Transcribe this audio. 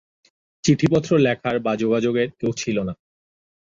চিঠিপত্র লেখার বা যোগাযোগের কেউ ছিল না।